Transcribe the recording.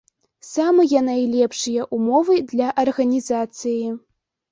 Самыя найлепшыя ўмовы для арганізацыі.